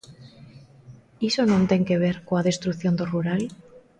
¿Iso non ten que ver coa destrución do rural?